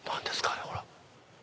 あれほら。